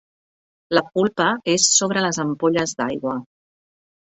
La culpa és sobre les ampolles d'aigua.